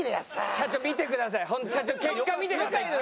社長見てください。社長結果見てください１回。